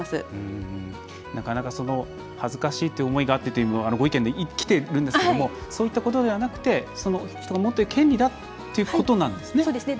なかなか恥ずかしいという思いがあってというのもご意見でもきているんですけどもそういったことではなくてその人が持っている権利だということなんですね。